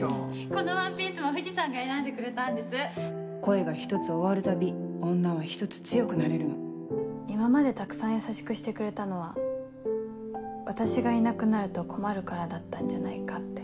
このワンピースも藤さんが選んでくれたん恋が１つ終わるたび女は１つ強くなれるの今までたくさん優しくしてくれたのは私がいなくなると困るからだったんじゃないかって。